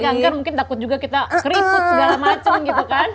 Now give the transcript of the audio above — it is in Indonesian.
kanker mungkin takut juga kita keriput segala macam gitu kan